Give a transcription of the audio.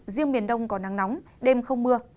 riêng miền đông có nắng nóng đêm không mưa